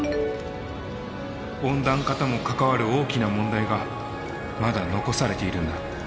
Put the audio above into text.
温暖化とも関わる大きな問題がまだ残されているんだ。